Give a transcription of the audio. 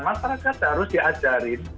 masyarakat harus diajarin